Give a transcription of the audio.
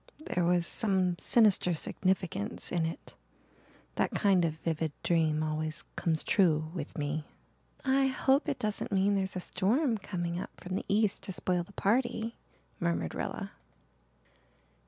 There was some sinister significance in it. That kind of vivid dream always 'comes true' with me." "I hope it doesn't mean there's a storm coming up from the east to spoil the party," murmured Rilla.